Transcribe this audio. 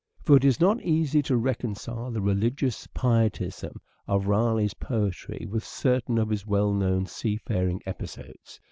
For it is not easy to reconcile the religious pietism of Raleigh's poetry with certain of his well known sea faring episodes.